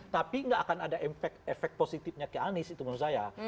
tapi nggak akan ada efek positifnya ke anies itu menurut saya